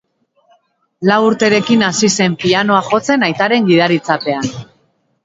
Lau urterekin hasi zen pianoa jotzen, aitaren gidaritzapean.